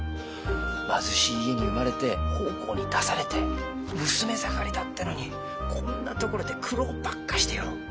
貧しい家に生まれて奉公に出されて娘盛りだってのにこんな所で苦労ばっかしてよ。